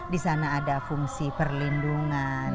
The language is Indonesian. di sana ada fungsi perlindungan